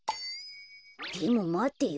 でもまてよ。